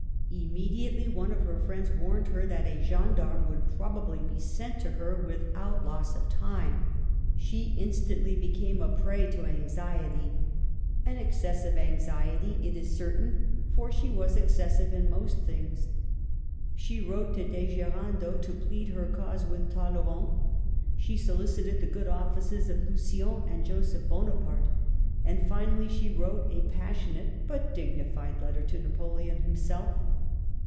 Immediately one of her friends warned her that a gendarme would probably be sent to 'her with out loss of time. She instantly became a prey to anxiety, an excessive anxiety it is certain, for she was excessive in most things. She wrote to De Gerando to plead her cause with Talleyrand ; she solicited the good offices of Lucian and Joseph Bonaparte ; and finally she wrote a passionate but dignified letter to Napo leon himself.